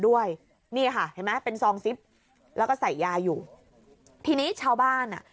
ด้วยนี่ค่ะเห็นไหมเป็นซองซิปแล้วก็ใส่ยาอยู่ทีนี้ชาวบ้านอ่ะ